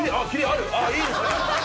あっいいですね！